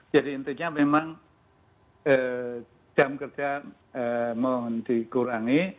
jadi intinya memang jam kerja mohon dikurangi